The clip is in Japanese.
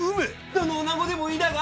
どの女子でもいいだが。